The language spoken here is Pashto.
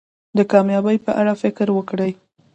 د کامیابی په اړه فکر وکړی.